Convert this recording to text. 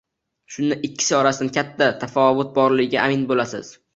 Shunda ikkisi orasida katta tafovut borligiga amin bo‘lasiz.